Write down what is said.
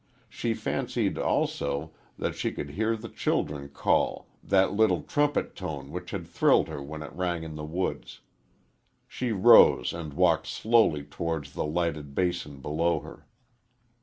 She fancied, also, that she could hear the children call that little trumpet tone which had thrilled her when it rang in the woods. She rose and walked slowly towards the lighted basin below her.